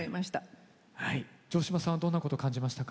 城島さんはどんなこと感じましたか？